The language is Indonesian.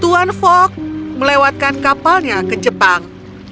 tuan fok melewatkan kapalnya ke jepang